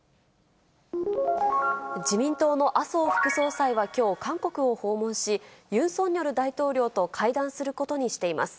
自民党の麻生副総裁はきょう、韓国を訪問し、ユン・ソンニョル大統領と会談することにしています。